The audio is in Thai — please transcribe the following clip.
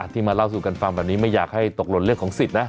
มาเล่าสู่กันฟังแบบนี้ไม่อยากให้ตกหล่นเรื่องของสิทธิ์นะ